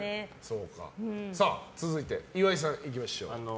続いて、岩井さんいきましょう。